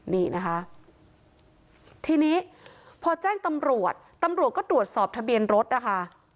นี่นะคะทีนี้พอแจ้งตำรวจตำรวจก็ตรวจสอบทะเบียนรถนะคะ